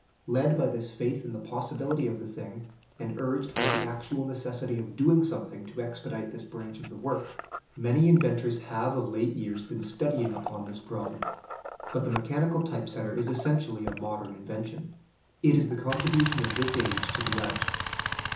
Led by this faith in the possibility of the thing, and urged by the actual necessity of doing something to expedite this branch of the work, many inventors have of late years been studying upon this problem. But the mechanical type setter is essentially a modern invention: it is the contribution of this age to the art.